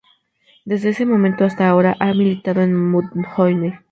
Desde ese momento hasta ahora ha militado en Mudhoney.